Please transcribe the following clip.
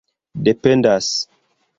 dependas